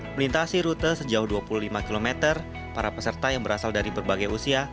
melintasi rute sejauh dua puluh lima km para peserta yang berasal dari berbagai usia